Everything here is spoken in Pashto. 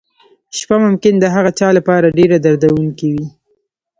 شپه ممکن د هغه چا لپاره ډېره دردونکې وي.